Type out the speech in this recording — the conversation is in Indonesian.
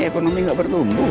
ekonomi gak bertumbuh